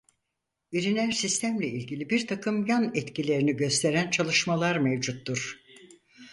Üriner sistemle ilgili bir takım yan etkilerini gösteren çalışmalar mevcuttur.